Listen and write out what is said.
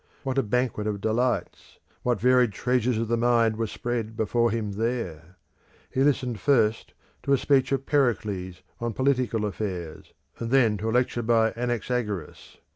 What a banquet of delights, what varied treasures of the mind were spread before him there! He listened first to a speech of Pericles on political affairs, and then to a lecture by Anaxagoras.